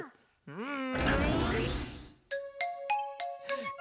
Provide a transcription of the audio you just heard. うん？